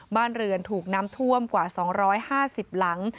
บ้านเรือนถูกน้ำท่วมกว่า๒๕๐หลัง